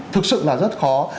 thực sự là rất khó